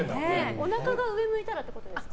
おなかが上を向いたらということですか？